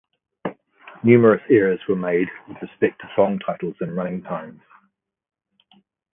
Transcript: Numerous errors were made with respect to song titles and running times.